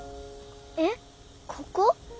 えっここ？